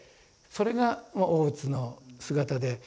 それが大津の姿で。